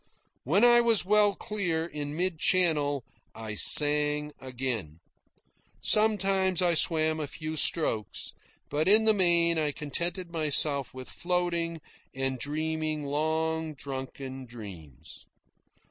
When I was well clear, in mid channel, I sang again. Sometimes I swam a few strokes, but in the main I contented myself with floating and dreaming long drunken dreams.